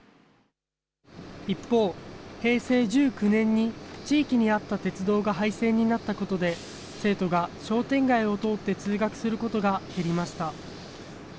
一方、平成１９年に地域にあった鉄道が廃線になったことで、生徒が商店街を通って通学することが減りました。